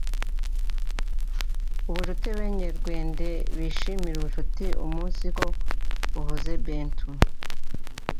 Ubucuti Ebenyerwende beshime ubucuti umunsiko buhuze ebentu.